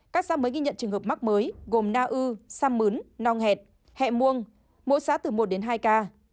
các xã mới ghi nhận trường hợp mắc mới gồm na ư sam mướn nong hẹt hẹ muông mỗi xã từ một đến hai ca